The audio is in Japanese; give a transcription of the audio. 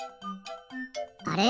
あれ？